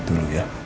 kita pergi dulu ya